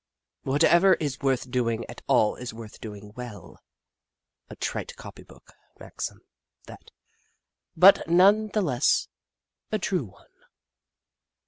" Whatever is worth doing at all is worth doing well," — a trite copy book maxim, that, but none the less a true one.